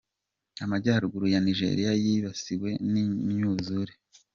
Amajyaruguru ya Nigeria yibasiwe n’imyuzure